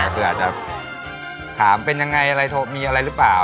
เผื่ออาจจะถามเป็นยังไงอะไรโทรมีอะไรหรือเปล่า